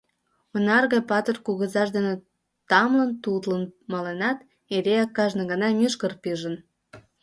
Онар гай патыр кугызаж дене тамлын-тутлын маленат, эреак, кажне гана мӱшкыр пижын.